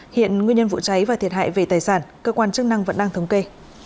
hiện nguyên nhân vụ cháy và thiệt hại về tài sản cơ quan chức năng vẫn đang thống kê